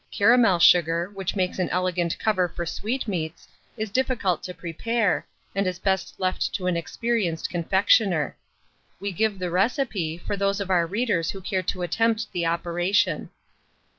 Caramel sugar, which makes an elegant cover for sweetmeats, is difficult to prepare, and is best left to an experienced confectioner. We give the recipe, for those of our readers who care to attempt the operation.